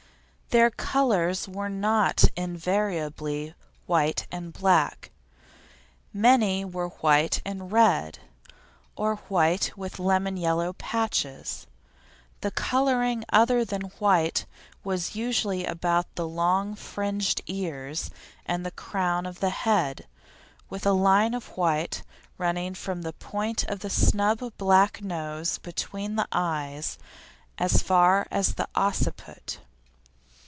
Their colours were not invariably white and black. Many were white and red, or white with lemon yellow patches. The colouring other than white was usually about the long fringed ears and the crown of the head, with a line of white running from the point of the snub black nose between the eyes as far as the occiput.